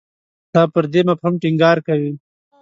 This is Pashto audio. دا پر دې مفهوم ټینګار کوي.